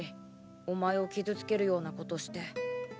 お前を傷付けるようなことして。